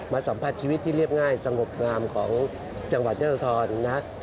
สัมผัสชีวิตที่เรียบง่ายสงบงามของจังหวัดเยอะทรนะ